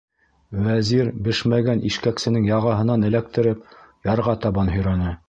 Вәзир, бешмәгән ишкәксенең яғаһынан эләктереп, ярға табан һөйрәне.